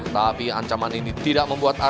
tapi ancaman ini tidak membuat area area surabaya gentar